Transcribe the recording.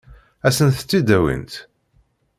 Ad sent-t-id-awint?